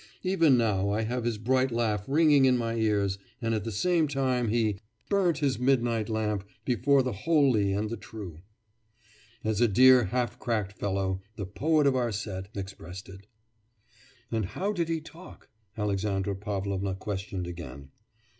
Even now I have his bright laugh ringing in my ears, and at the same time he Burnt his midnight lamp Before the holy and the true, as a dear half cracked fellow, the poet of our set, expressed it.' 'And how did he talk?' Alexandra Pavlovna questioned again.